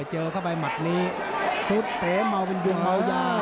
เจอเข้าไปหมัดนี้ซุดเป๋เมาเป็นยุงเมายา